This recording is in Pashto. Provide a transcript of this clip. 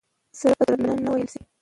سره به دروند نه وېل شي.